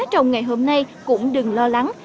trong ngày hôm nay cũng đừng lo lắng